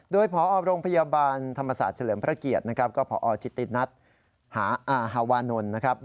โดยผรพยาบาลธรรมศาสตร์เฉลิมพระเกียรติและผจิตินัทฮาวานนท์